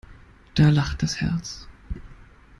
Da lacht das Herz.